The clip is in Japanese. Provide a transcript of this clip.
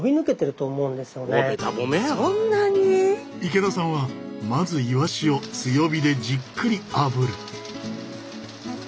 池田さんはまずイワシを強火でじっくりあぶる。